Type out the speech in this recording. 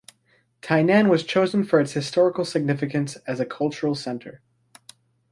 Tainan was chosen for its historical significance as a cultural center.